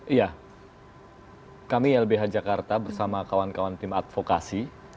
iya kami lbh jakarta bersama kawan kawan tim advokasi